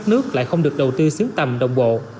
cho thoát nước lại không được đầu tư xướng tầm đồng bộ